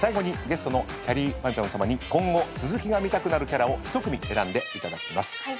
ゅさまに今後続きが見たくなるキャラを一組選んでいただきます。